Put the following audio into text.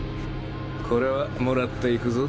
これはもらっていくぞ。